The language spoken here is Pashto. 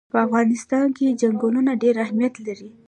په افغانستان کې چنګلونه ډېر اهمیت لري.